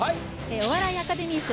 お笑いアカデミー賞